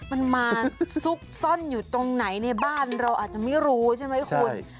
มันมาซุกซ่อนอยู่ตรงไหนในบ้านเราอาจจะไม่รู้ใช่ไหมคุณ